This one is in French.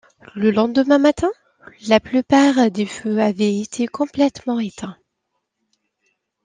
Le lendemain matin, la plupart des feux avaient été complètement éteints.